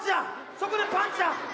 そこでパンチだ！